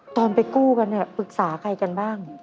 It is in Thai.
ตอนไปกู้กันปรึกษาใครกันบ้าง